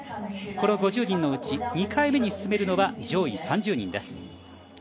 この５０人のうち２回目に進めるのは上位３０人です。